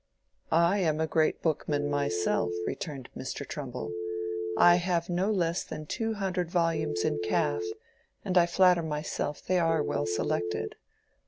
"I am a great bookman myself," returned Mr. Trumbull. "I have no less than two hundred volumes in calf, and I flatter myself they are well selected.